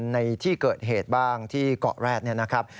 ในที่เกิดเหตุบ้างที่เกาะแรดเนี่ยนะครับ